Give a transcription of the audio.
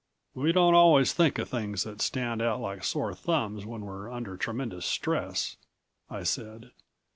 "We don't always think of things that stand out like sore thumbs when we're under tremendous stress," I said.